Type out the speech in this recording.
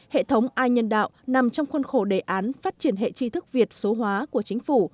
hệ thống inhânđạo nằm trong khuôn khổ đề án phát triển hệ trí thức việt số hóa của chính phủ